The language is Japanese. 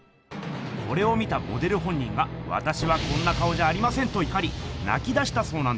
これを見たモデル本人が「わたしはこんな顔じゃありません！」といかりなき出したそうなんです。